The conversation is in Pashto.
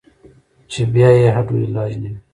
چې بيا ئې هډو علاج نۀ وي -